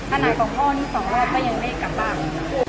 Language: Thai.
ถนหากอ้อนที่๒รอบก็ยังไม่กลับบ้าง